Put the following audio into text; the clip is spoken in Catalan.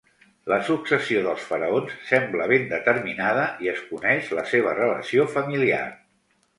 La successió dels faraons sembla ben determinada i es coneix la seva relació familiar.